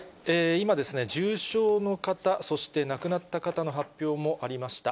今ですね、重症の方、そして、亡くなった方の発表もありました。